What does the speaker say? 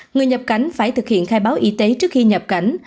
người nhập cảnh phải thực hiện khai báo y tế trước khi nhập cảnh